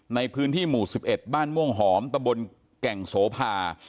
ในพื้นที่หมู่๑๑บ้านม่วงหอมตะบนแก่งโสภา